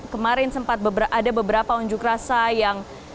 kemarin sempat ada beberapa unjuk rasa yang